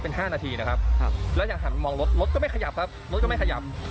เป็น๕นาทีนะครับแล้วยังหันมามองรถรถก็ไม่ขยับครับรถก็ไม่ขยับ